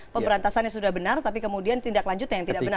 pemberantasannya sudah benar tapi kemudian tindak lanjutnya yang tidak benar